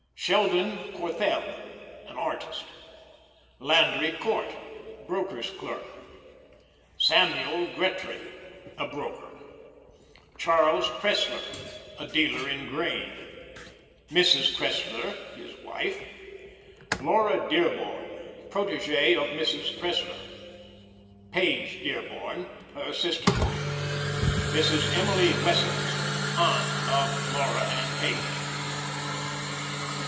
SHELDON CORTHELL, an artist. LANDRY COURT, broker's clerk. SAMUEL GRETRY, a broker. CHARLES CRESSLER, a dealer in grain. MRS. CRESSLER, his wife. LAURA DEARBORN, protege of Mrs. Cressler. PAGE DEARBORN, her sister. MRS. EMILY WESSELS, aunt of Laura and Page.